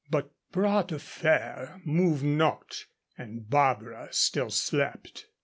But Bras de Fer moved not and Barbara still slept.